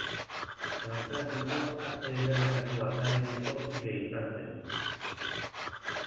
San Fernando Arte Ederretako Akademiako kide izan zen.